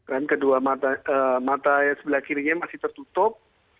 dan kedua mata sebelah kirinya masih tertutup